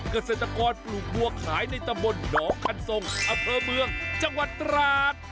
เป็นเกษตรกรปลูกบัวขายในตะบนหนอคันทรงอเภอเมืองจังหวัดตราศน์